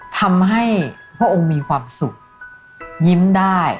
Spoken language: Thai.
ทำให้พระองค์มีความสุขยิ้มได้